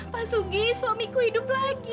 pak sugi suamiku hidup lagi